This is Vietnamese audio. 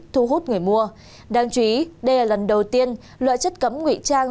thu hút người mua đáng chú ý đây là lần đầu tiên loại chất cấm nguy trang